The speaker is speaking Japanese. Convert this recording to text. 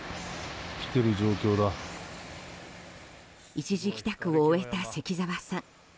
一時帰宅を終えた関澤さん。